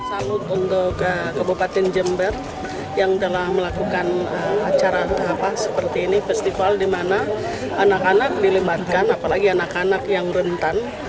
salut untuk kebupaten jember yang telah melakukan acara seperti ini festival dimana anak anak dilibatkan apalagi anak anak yang rentan